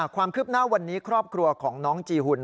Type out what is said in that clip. ความคืบหน้าวันนี้ครอบครัวของน้องจีหุ่น